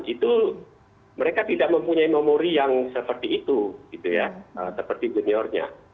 itu mereka tidak mempunyai memori yang seperti itu gitu ya seperti juniornya